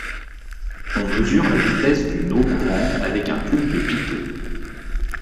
On mesure la vitesse d'une eau courante avec un tube de Pitot.